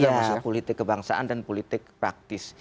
iya masalah politik kebangsaan dan politik praktis